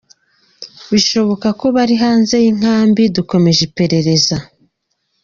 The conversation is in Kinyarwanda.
birashoboka ko bari hanze y’inkambi dukomeje iperereza.